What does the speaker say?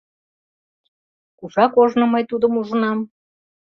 Кушак ожно мый тудым ужынам?»